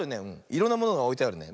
いろんなものがおいてあるね。